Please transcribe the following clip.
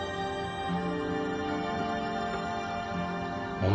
お前